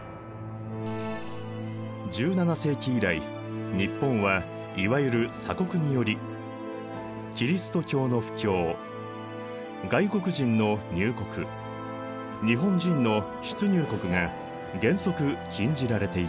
１７世紀以来日本はいわゆる鎖国によりキリスト教の布教外国人の入国日本人の出入国が原則禁じられていた。